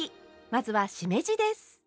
まずはしめじです。